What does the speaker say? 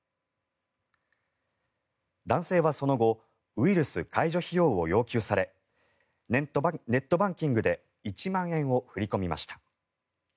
男性はその後ウイルス解除費用を要求されネットバンキングで１万円を振り込みました。